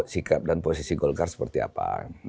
sikap dan posisi golkar seperti apa